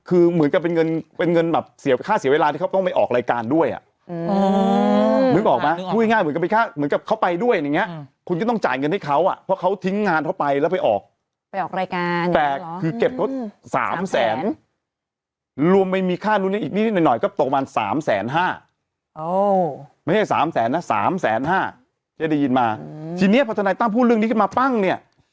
อืมนึกออกมั้ยพูดง่ายง่ายเหมือนกับไปค่าเหมือนกับเขาไปด้วยอย่างเงี้ยคุณก็ต้องจ่ายเงินให้เขาอ่ะเพราะเขาทิ้งงานเขาไปแล้วไปออกไปออกรายการเนี้ยแปลกคือเก็บเขาสามแสนรวมไปมีค่านู้นอีกนิดหน่อยหน่อยก็ตกประมาณสามแสนห้าโอ้ไม่ใช่สามแสนนะสามแสนห้าที่ได้ยินมาทีเนี้ยพอทนายตั้งพูดเรื่องนี้มาปั้งเนี้ย